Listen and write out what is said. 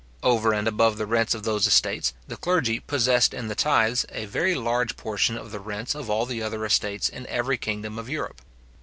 Over and above the rents of those estates, the clergy possessed in the tithes a very large portion of the rents of all the other estates in every kingdom of Europe.